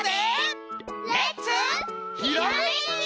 レッツひらめき！